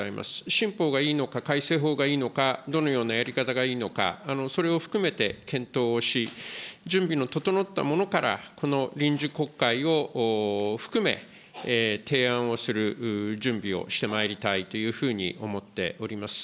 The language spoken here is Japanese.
新法がいいのか、改正法がいいのか、どのようなやり方がいいのか、それを含めて検討をし、準備の整ったものからこの臨時国会を含め、提案をする準備をしてまいりたいというふうに思っております。